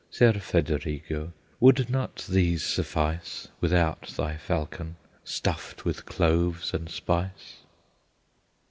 Ser Federigo, would not these suffice Without thy falcon stuffed with cloves and spice?